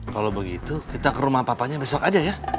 kalau begitu kita ke rumah papanya besok aja ya